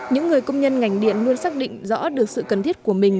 những người công nhân ngành điện luôn xác định rõ được sự cần thiết của mình